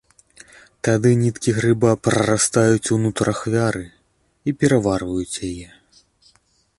Тады ніткі грыба прарастаюць ўнутр ахвяры і пераварваюць яе.